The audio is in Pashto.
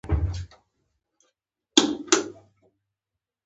قلم د زده کړې پل جوړوي